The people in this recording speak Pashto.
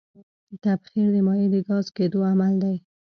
تبخیر د مایع د ګاز کېدو عمل دی.